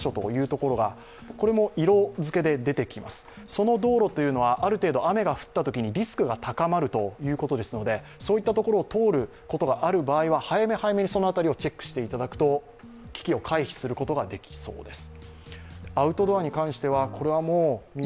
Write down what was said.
その道路というのはある程度雨が降ったときにリスクが高まるということなのでそういった所を通ることがある場合は早め早めに、その辺りをチェックしていただくと危険を回避することができそうです。